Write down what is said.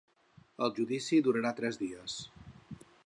El judici durarà tres dies.